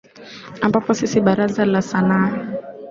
ambapo sisi baraza la sanaa